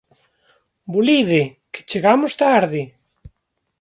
Bulide, que chegamos tarde!